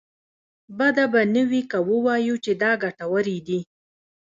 بده به نه وي که ووايو چې دا ګټورې دي.